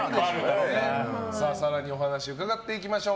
更にお話伺っていきましょう。